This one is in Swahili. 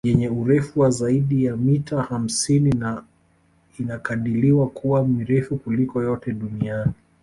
Yenye urefu wa zaidi ya mita hamsini na inakadiliwa kuwa mirefu kuliko yote duniani